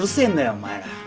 お前ら！